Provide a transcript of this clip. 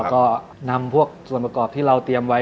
ก็นำพวกส่วนประกอบที่เราเตรียมไว้